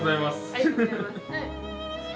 ありがとうございます。